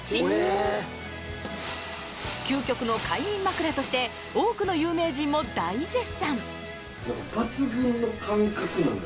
究極の快眠枕として多くの有名人も大絶賛。